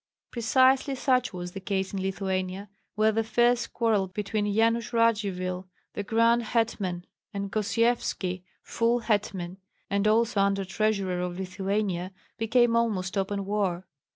Precisely such was the case in Lithuania, where the fierce quarrel between Yanush Radzivill, the grand hetman, and Gosyevski, full hetman, and also under treasurer of Lithuania, became almost open war.